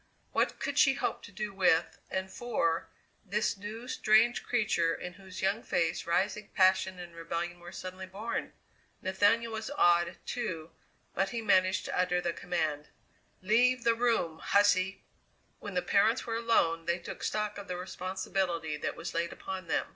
What could she hope to do with, and for, this new, strange creature in whose young face rising passion and rebellion were suddenly born? Nathaniel was awed, too, but he managed to utter the command: "Leave the room, hussy!" When the parents were alone they took stock of the responsibility that was laid upon them.